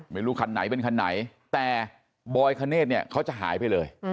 ไม่รู้คันไหนเป็นคันไหนแต่บอยคเนธเนี่ยเขาจะหายไปเลย